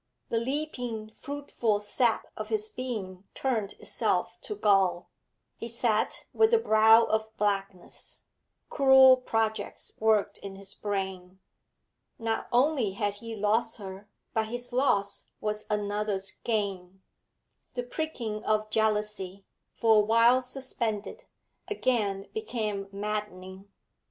The leaping, fruitful sap of his being turned itself to gall. He sat with a brow of blackness; cruel projects worked in his brain. Not only had he lost her, but his loss was another's gain. The pricking of jealousy, for a while suspended, again became maddening.